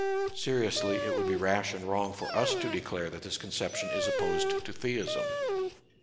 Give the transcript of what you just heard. Seriously it would be rash and wrong for us to declare that this conception is opposed to theism.